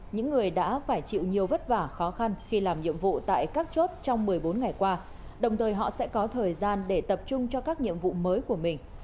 những người đã phải chịu nhiều vất vả khó khăn khi làm nhiệm vụ tại các chốt trong một mươi bốn ngày qua đồng thời họ sẽ có thời gian để tập trung cho các nhiệm vụ mới của mình